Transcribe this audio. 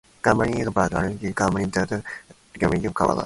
Goldmann died in Bad Reichenhall, Germany due to pulmonary collapse.